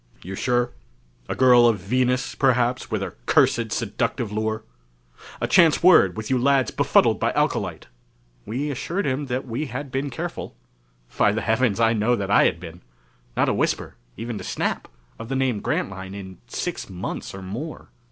"You're sure? A girl of Venus, perhaps, with her cursed, seductive lure! A chance word, with you lads befuddled by alcolite?" We assured him that we had been careful. By the heavens, I know that I had been. Not a whisper, even to Snap, of the name Grantline in six months or more.